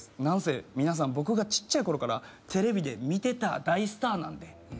何せ皆さん僕がちっちゃいころからテレビで見てた大スターなんで。